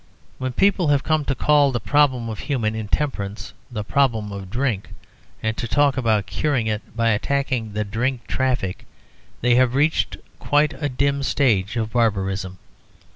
When people have come to call the problem of human intemperance the Problem of Drink, and to talk about curing it by attacking the drink traffic, they have reached quite a dim stage of barbarism.